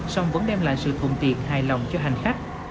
xong vẫn đem lại sự thùng tiện hài lòng cho hành khách